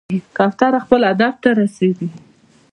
کوتره خپل هدف ته رسېږي.